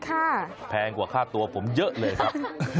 แพงกว่าค่าตัวผมเยอะเลยครับ